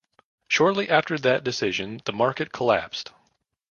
Shortly after that decision the market collapsed.